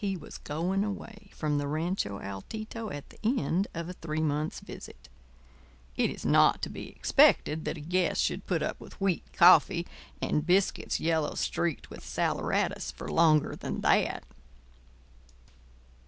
He was going away from the Rancho Altito at the end of a three months' visit. It is not to be expected that a guest should put up with wheat coffee and biscuits yellow streaked with saleratus for longer than that.